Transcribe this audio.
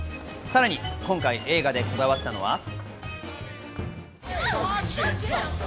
さらに今回、映画でこだわったのは。